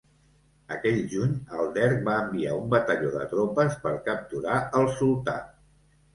Aquell juny, el Derg va enviar un batalló de tropes per capturar el sultà.